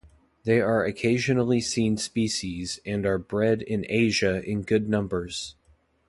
They are an occasionally seen species, and are bred in Asia in good numbers.